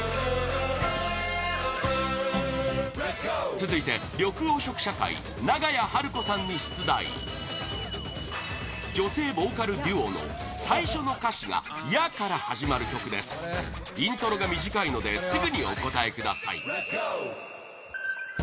続いて、緑黄色社会長屋晴子さんに出題女性ボーカルデュオの最初の歌詞が「や」から始まる曲ですイントロが短いのですぐにお答えください